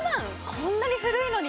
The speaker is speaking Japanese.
こんなに古いのに？